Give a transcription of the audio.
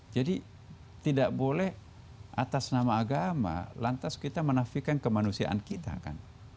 jadi tidak boleh atas nama agama lantas kita menafikan kemanusiaan kita kan